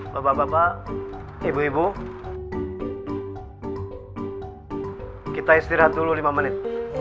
bapak bapak ibu ibu kita istirahat dulu lima menit